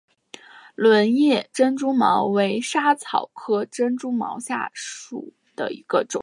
轮叶珍珠茅为莎草科珍珠茅属下的一个种。